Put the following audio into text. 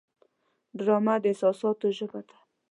ډرامه د احساساتو ژبه ده